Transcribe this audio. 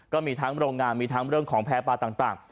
ก็มีทั้งโรงงานมีทั้งเรื่องของแพ้ปลาต่าง